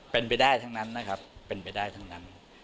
เป็นไปได้ทั้งนั้นนะครับเป็นไปได้ทั้งนั้น